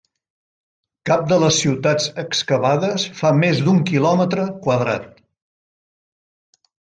Cap de les ciutats excavades fa més d'un kilòmetre quadrat.